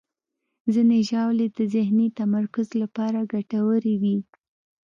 ځینې ژاولې د ذهني تمرکز لپاره ګټورې وي.